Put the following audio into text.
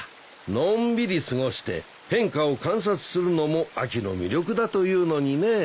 のんびり過ごして変化を観察するのも秋の魅力だというのにねえ。